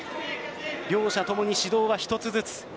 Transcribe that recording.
両者ともに指導は１つずつ。